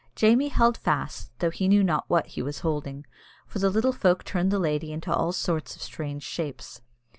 Jamie held fast, though he knew not what he was holding, for the little folk turned the lady into all sorts of strange shapes.